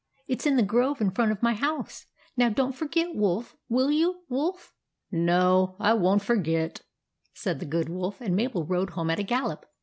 It 's in the grove in front of my house. Now don't forget, will you, Wolf ?"" No, I won't forget," said the Good Wolf ; and Mabel rode home at a gallop.